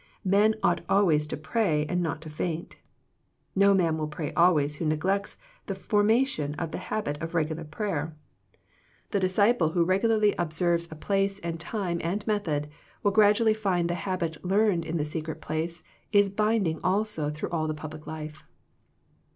" Men ought always to pray, and not to faint." No man will pray always who neglects the forma tion of the habit of regular prayer. The dis THE PEAOTICE OF PEAYEE 113 ciple who regularly observes a place and time and method will gradually find the habit learned in the secret place is binding also through all the public life.